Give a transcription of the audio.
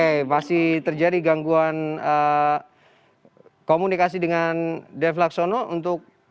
oke masih terjadi gangguan komunikasi dengan dev laksono untuk